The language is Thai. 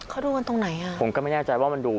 เขาดูกันตรงไหนอ่ะผมก็ไม่แน่ใจว่ามันดู